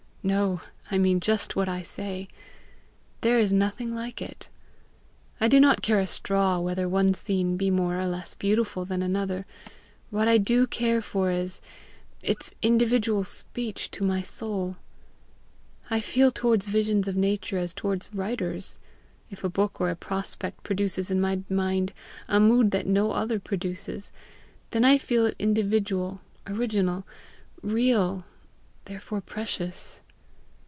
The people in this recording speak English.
"No; I mean just what I say: there is nothing like it. I do not care a straw whether one scene be more or less beautiful than another; what I do care for is its individual speech to my soul. I feel towards visions of nature as towards writers. If a book or a prospect produces in my mind a mood that no other produces, then I feel it individual, original, real, therefore precious.